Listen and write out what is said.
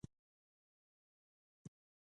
نن غواړم د کیمیا د علم په اړه پوښتنې وکړم.